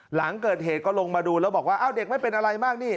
หลังเกิดเหตุก็ลงมาดูแล้วบอกว่าอ้าวเด็กไม่เป็นอะไรมากนี่